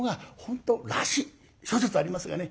諸説ありますがね。